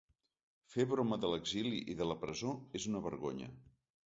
Fer broma de l’exili i de la presó és una vergonya.